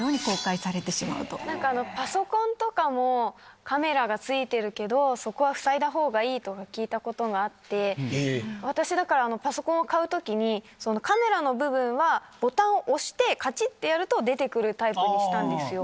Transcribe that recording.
なんかパソコンとかも、カメラがついてるけど、そこは塞いだほうがいいとか、聞いたことがあって、私、だから、パソコン買うときに、カメラの部分はボタンを押して、かちってやると、出てくるタイプにしたんですよ。